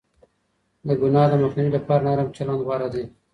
د گناه د مخنيوي لپاره نرم چلند غوره دی.